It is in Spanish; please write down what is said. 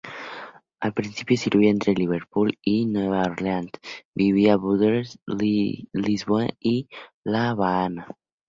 Al principio sirvió entre Liverpool y Nueva Orleans vía Burdeos, Lisboa y La Habana.